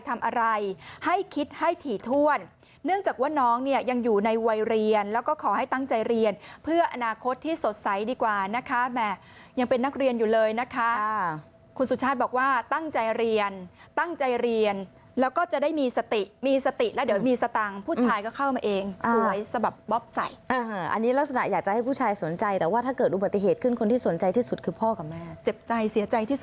ทำอะไรให้คิดให้ถี่ถ้วนเนื่องจากว่าน้องเนี่ยยังอยู่ในวัยเรียนแล้วก็ขอให้ตั้งใจเรียนเพื่ออนาคตที่สดใสดีกว่านะคะแม่ยังเป็นนักเรียนอยู่เลยนะคะคุณสุชาติบอกว่าตั้งใจเรียนตั้งใจเรียนแล้วก็จะได้มีสติมีสติแล้วเดี๋ยวมีสตังผู้ชายก็เข้ามาเองสวยสบับบ๊อบใสอันนี้ลักษณะอยากจะให้ผู้ชายสนใจแต่ว่าถ้าเ